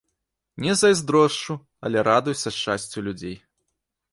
Не зайздрошчу, але радуюся шчасцю людзей.